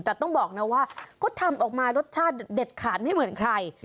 แต่ต้องบอกนะว่าก็ทำออกมารสชาติเด็ดขาดไม่เหมือนใคร